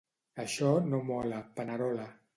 Això no mola, panerola.